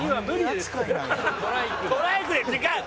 トライクで違う！